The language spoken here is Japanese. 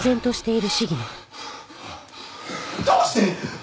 どうして！？